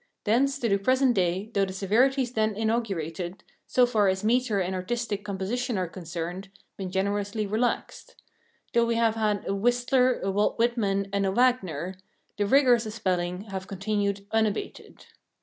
Thence to the present day, though the severities then inaugurated, so far as metre and artistic composition are concerned, been generously relaxed though we have had a Whistler, a Walt Whitman, and a Wagner the rigours of spelling have continued unabated.